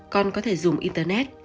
con có thể dùng internet